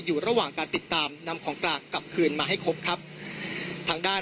อยู่ระหว่างการติดตามนำของกลางกลับคืนมาให้ครบครับทางด้าน